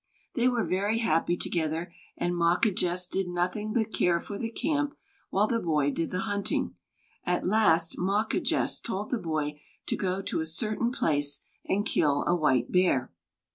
They were very happy together and Mawquejess did nothing but care for the camp, while the boy did the hunting. At last Mawquejess told the boy to go to a certain place and kill a white bear.